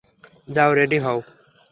যাও রেডি হও।